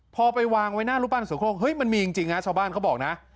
พอไปวางไว้หน้ารูปปั้นเสือโคกเฮ้ยมันมีจริงนะชาวบ้านเขาบอกนะ